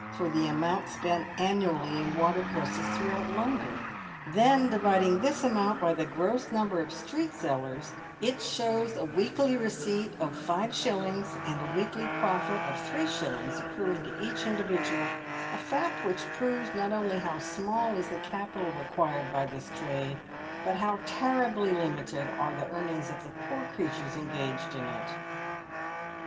for the amount spent annually in water cresses throughout London; then, dividing this amount by the gross number of street sellers, it shows a weekly receipt of 5s. 5d., and a weekly profit of 3s. 3d. accruing to each individual — a fact which proves, not only how small is the capital required by this trade, but how terribly limited are the earnings of the poor creatures engaged in it.